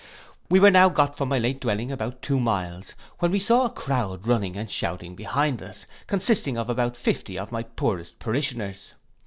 We were now got from my late dwelling about two miles, when we saw a crowd running and shouting behind us, consisting of about fifty of my poorest parishioners.